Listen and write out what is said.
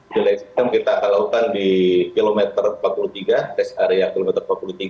delay system kita akan lakukan di kilometer empat puluh tiga rest area kilometer empat puluh tiga